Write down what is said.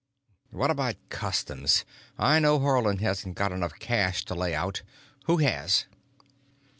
"What about customs? I know Haarland hasn't got enough cash to lay out. Who has?"